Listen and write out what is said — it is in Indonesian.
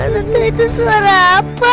tante itu suara apa